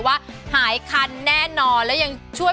ผลิตจากอร์แกนิกและน้ำมะพร้าวบริสุทธิ์